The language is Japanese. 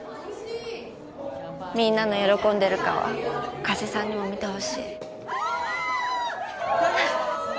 みんなの喜んでる顔加瀬さんにも見てほしいあっ